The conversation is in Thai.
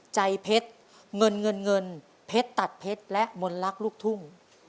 ใจเพชรเงินเงินเงินเพชรตัดเพชรและมนตร์รักลูกทุ่ง